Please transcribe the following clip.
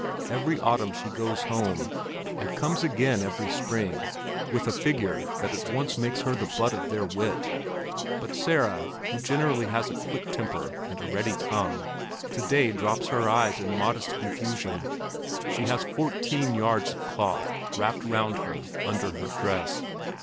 Every autumn she goes home, and comes again every spring with a figure that at once makes her the butt of their wit; but Sara, who generally has a quick temper and a ready tongue, to day drops her eyes in modest confusion: she has fourteen yards of cloth wrapped round her under her dress.